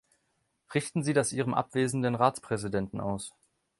Richten Sie das Ihrem abwesenden Ratspräsidenten aus!